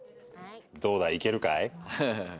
どうだ、いけるかい？